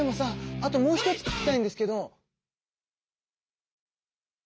あともう一つ聞きたいんですけど！